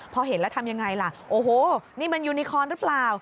พอเห็นแล้วทำยังไงล่ะโอ้โหนี่มันยูนิคอนหรือเปล่า